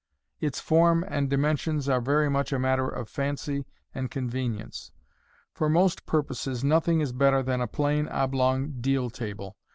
Its form and dimensions are very much MODERN MAGIC. a matter of fancy and convenience. For most purposes nothing it better than a plain oblong deal table.